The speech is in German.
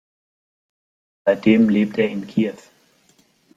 Seitdem lebt er in Kiew.